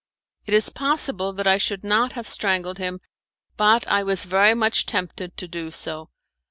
It is possible that I should not have strangled him, but I was very much tempted to do so.